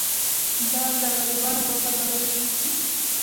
دال د غریبانو غوښه بلل کیږي